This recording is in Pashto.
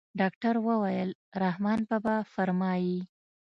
ډاکتر وويل رحمان بابا فرمايي.